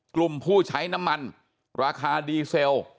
กลุ่มผู้ใช้น้ำมันราคาดีเซล